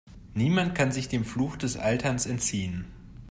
Niemand kann sich dem Fluch des Alterns entziehen.